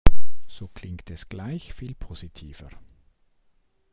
So klingt es gleich viel positiver.